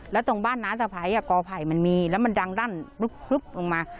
แล้วตรงบ้านน้าสะพ้ายกอไผ่มันมีแล้วมันดังรั่นพลึบลงมา